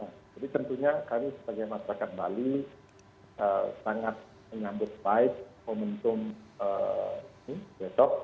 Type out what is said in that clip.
jadi tentunya kami sebagai masyarakat bali sangat mengambil baik momentum besok